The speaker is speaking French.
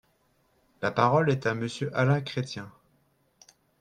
La parole est à Monsieur Alain Chrétien.